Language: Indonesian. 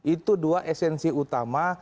itu dua esensi utama